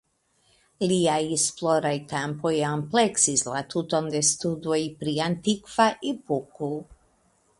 Lia esploraj kampoj ampleksis la tuton de studoj pri antikva epoko.